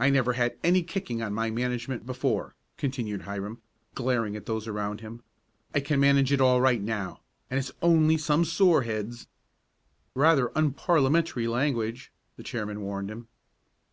"I never had any kicking on my management before," continued Hiram, glaring at those around him. "I can manage it all right now, and it's only some soreheads " "Rather unparliamentary language," the chairman warned him.